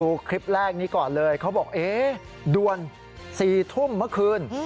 ดูคลิปแรกนี้ก่อนเลยเขาบอกเอ๊ะด่วน๔ทุ่มเมื่อคืน